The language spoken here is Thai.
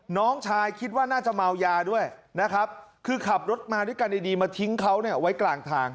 น้องชายคิดว่าน่าจะเมายาด้วยนะครับคือขับรถมาด้วยกันดีมาทิ้งเขาเนี่ยไว้กลางทาง